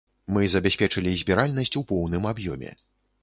Мы забяспечылі збіральнасць у поўным аб'ёме.